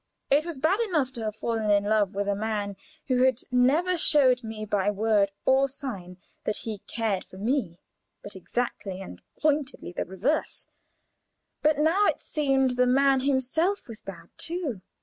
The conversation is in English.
It was bad enough to have fallen in love with a man who had never showed me by word or sign that he cared for me, but exactly and pointedly the reverse; but now it seemed the man himself was bad too.